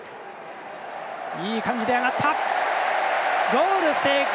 ゴール成功。